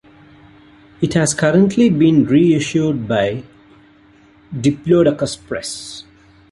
It has currently been reissued by Diplodocus Press.